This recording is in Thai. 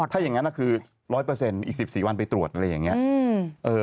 ถ้าอย่างนั้นคือ๑๐๐อีก๑๔วันไปตรวจอะไรอย่างนี้